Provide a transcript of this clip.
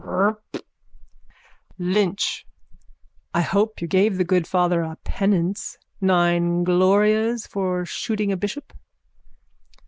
_ Prrrrrht! LYNCH: I hope you gave the good father a penance. Nine glorias for shooting a bishop.